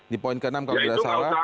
di poin ke enam kalau tidak salah